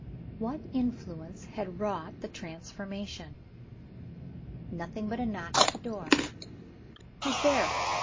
What influence had wrought the transformation? Nothing but a knock at the door. "Who's there?"